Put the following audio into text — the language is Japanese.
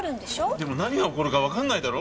でも何が起こるかわからないだろ。